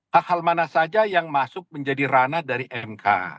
hal hal mana saja yang masuk menjadi ranah dari mk